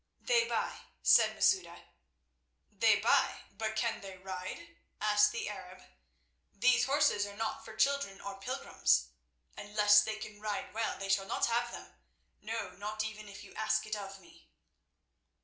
"They buy," said Masouda. "They buy, but can they ride?" asked the Arab. "These horses are not for children or pilgrims. Unless they can ride well they shall not have them—no, not even if you ask it of me."